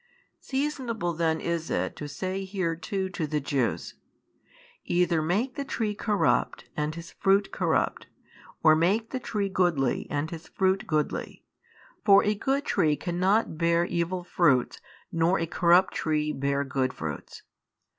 Seasonable then is it to say here too to the Jews, Either make the tree corrupt and his fruit corrupt or make the tree goodly and his fruit goodly, for a good tree cannot hear evil fruits nor a corrupt tree hear good fruits.